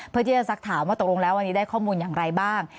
เพื่อที่จะสักถามว่าตกลงแล้ววันนี้ได้ข้อมูลอย่างไรบ้าง